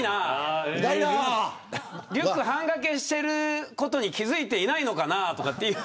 リュック半掛けしてることに気付いていないのかなとかって。